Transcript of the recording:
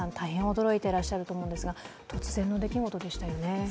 驚いてらっしゃると思うんですが、突然の出来事でしたよね。